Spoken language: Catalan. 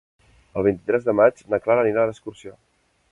El vint-i-tres de maig na Clara anirà d'excursió.